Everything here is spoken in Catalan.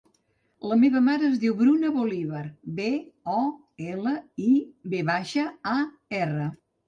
La meva mare es diu Bruna Bolivar: be, o, ela, i, ve baixa, a, erra.